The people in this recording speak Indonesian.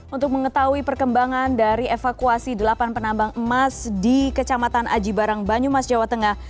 untuk mengetahui perkembangan dari evakuasi delapan penambang emas di kecamatan aji barang banyumas jawa tengah